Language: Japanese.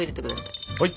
はい。